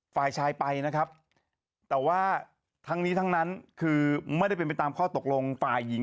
ฝ่ายชายไปนะครับแต่ว่าทั้งนี้ทั้งนั้นคือไม่ได้เป็นไปตามข้อตกลงฝ่ายหญิง